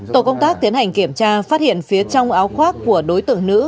tổ công tác tiến hành kiểm tra phát hiện phía trong áo khoác của đối tượng nữ